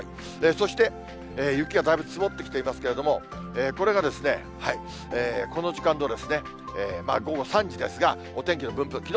そして、雪がだいぶ積もってきていますけれども、これがこの時間の午後３時ですが、お天気の分布。